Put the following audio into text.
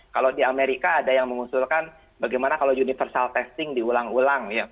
jadi di amerika ada yang mengusulkan bagaimana kalau universal testing diulang ulang ya